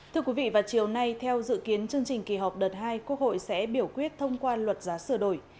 thưa quý vị vào chiều nay theo dự kiến chương trình kỳ họp đợt hai quốc hội sẽ biểu quyết thông qua luật giá sửa đổi